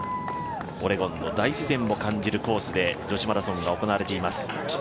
オレゴンの大自然を感じるコースで女子マラソンが行われています。